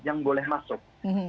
yang boleh masuk